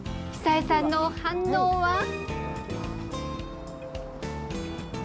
久枝さんの反応は？